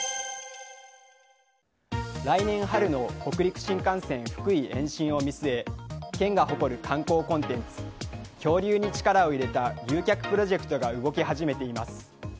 来年春の北陸新幹線福井延伸を見据え県が誇る観光コンテンツ恐竜に力を入れた誘客プロジェクトが動き始めています。